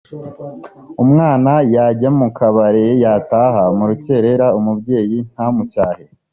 umwana yajya mu kabare yataha mu rukerera umubyeyi ntamucyahe